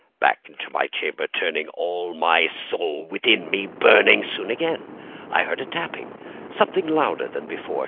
Back into the chamber turning, all my soul within me burning, Soon again I heard a tapping somewhat louder than before.